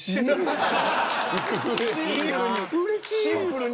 シンプルに。